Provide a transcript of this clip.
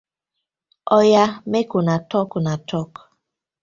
Oya mek una talk una talk.